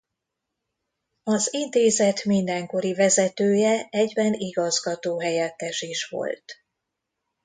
Az intézet mindenkori vezetője egyben igazgatóhelyettes is volt.